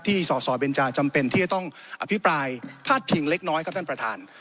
สสเบนจาจำเป็นที่จะต้องอภิปรายพาดพิงเล็กน้อยครับท่านประธาน